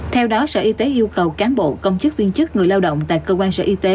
theo đó sở y tế yêu cầu cán bộ công chức viên chức người lao động tại cơ quan sở y tế